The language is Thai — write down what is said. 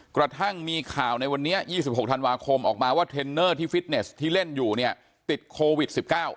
กระทั่งมีข่าวในวันนี้๒๖ธันวาคมออกมาว่าเทรนเนอร์ที่ฟิตเนสที่เล่นอยู่เนี่ยติดโควิด๑๙